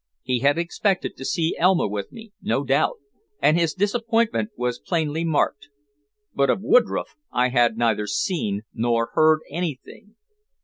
He had expected to see Elma with me, no doubt, and his disappointment was plainly marked. But of Woodroffe I had neither seen nor heard anything.